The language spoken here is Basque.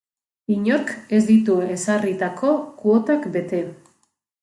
Inork ez ditu ezarritako kuotak bete.